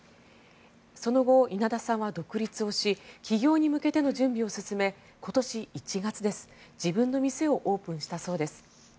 その後、稲田さんは独立をし起業に向けての準備を進め今年１月、自分の店をオープンしたそうです。